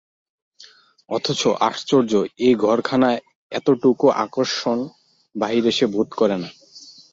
অথচ আশ্চর্য এই, এই ঘরখানার এতটুকু আকর্ষণ বাহিরে সে বোধ করে না।